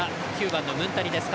９番のムンタリです。